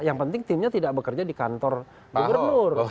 yang penting timnya tidak bekerja di kantor gubernur